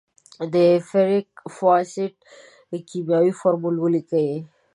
د فیریک فاسفیټ کیمیاوي فورمول ولیکئ.